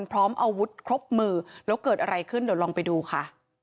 พร้อมอาวุธครบมือแล้วเกิดอะไรขึ้นเดี๋ยวลองไปดูค่ะ